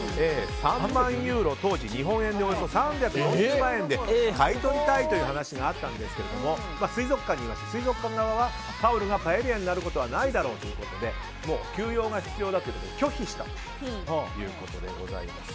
３万ユーロ、当時日本円でおよそ３４０万円で買い取りたいという話があったんですけども水族館側はパウルがパエリヤになることはないだろうということで休養が必要だということで拒否したということでございます。